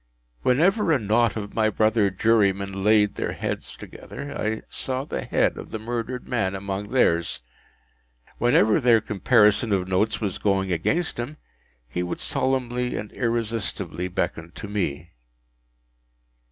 Whenever a knot of my brother jurymen laid their heads together, I saw the head of the murdered man among theirs. Whenever their comparison of notes was going against him, he would solemnly and irresistibly beckon to me.